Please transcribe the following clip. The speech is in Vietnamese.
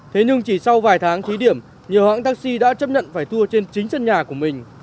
thế nhưng chỉ sau vài tháng thí điểm nhiều hãng taxi đã chấp nhận phải tour trên chính sân nhà của mình